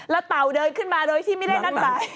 แล้วเต่าเดินขึ้นมาโดยที่ไม่ได้นัดหมาย